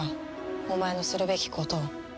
お前のするべきことを。